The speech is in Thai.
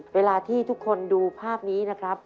เวลาที่ทุกคนดูภาพนี้นะครับ